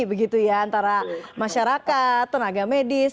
begitu ya antara masyarakat tenaga medis